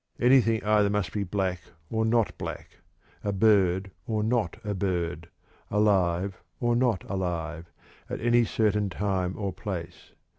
Anything either must be "black" or "not black," a bird or not a bird, alive or not alive, at any certain time or place.